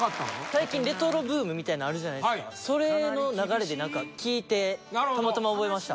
最近レトロブームみたいのあるじゃないですかそれの流れで何か聞いてたまたま覚えました